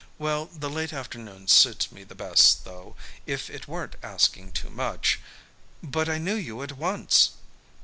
"Well, the late afternoon suits me the best, though, if it weren't asking too much " "But I knew you at once!"